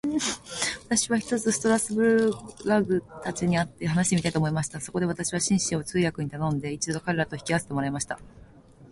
私は、ひとつストラルドブラグたちに会って話してみたいと思いました。そこで私は、紳士を通訳に頼んで、一度彼等と引き合せてもらいました。